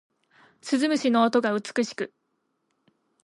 鈴虫の音が美しく